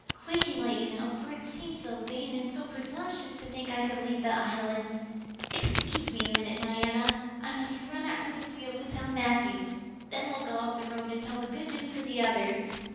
quakingly, you know, for it seemed so vain and presumptuous to think I could lead the Island. Excuse me a minute, Diana. I must run right out to the field to tell Matthew. Then we'll go up the road and tell the good news to the others."